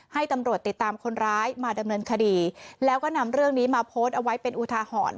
ให้ตำรวจติดตามคนร้ายมาดำเนินคดีแล้วก็นำเรื่องนี้มาโพสต์เอาไว้เป็นอุทาหรณ์